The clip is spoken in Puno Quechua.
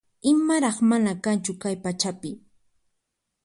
Imaraq mana kanchu kay pachapi